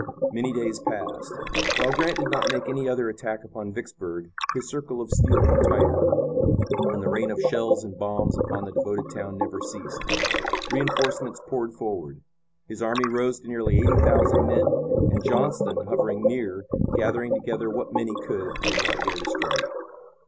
Many days passed. While Grant did not make any other attack upon Vicksburg his circle of steel grew tighter, and the rain of shells and bombs upon the devoted town never ceased. Reinforcements poured forward. His army rose to nearly eighty thousand men, and Johnston, hovering near, gathering together what men he could, did not dare to strike.